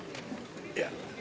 いや。